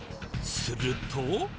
すると。